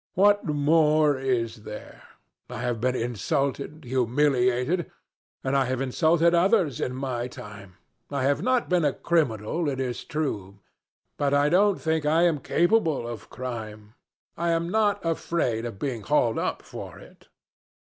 What more is there? I have been insulted, humiliated,... and I have insulted others in my time. I have not been a criminal, it is true, but I don't think I am capable of crime I am not afraid of being hauled up for it."